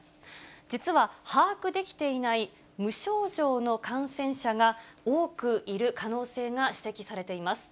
実は、把握できていない、無症状の感染者が多くいる可能性が指摘されています。